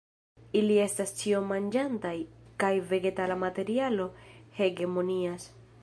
Ili estas ĉiomanĝantaj, kaj vegetala materialo hegemonias.